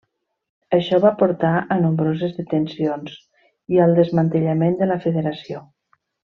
Això va portar a nombroses detencions i al desmantellament de la Federació.